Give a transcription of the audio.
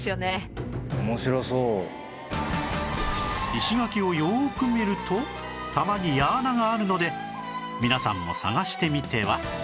石垣をよーく見るとたまに矢穴があるので皆さんも探してみては